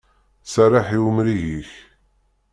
Serreḥ i umrig-ik!